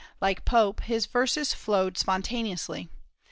Like Pope, his verses flowed spontaneously.